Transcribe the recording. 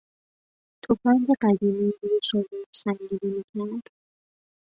تفنگ قدیمی روی شانهاش سنگینی میکرد.